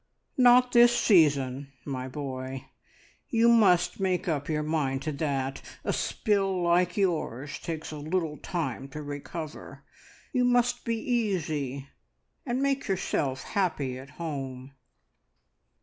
"Not this season, my boy; you must make up your mind to that. A spill like yours takes a little time to recover. You must be easy, and make yourself happy at home."